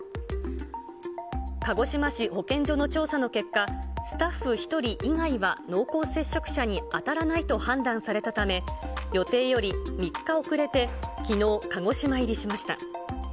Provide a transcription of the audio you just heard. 鹿児島市保健所の調査の結果、スタッフ１人以外は濃厚接触者に当たらないと判断されたため、予定より３日遅れてきのう鹿児島入りしました。